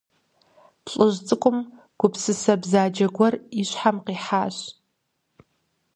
ЛӀыжь цӀыкӀум гупсысэ бзаджэ гуэр и щхьэм къихьащ.